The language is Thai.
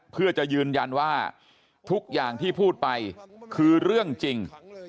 เพื่อจะยืนยันว่าทุกอย่างที่พูดไปคือเรื่องจริง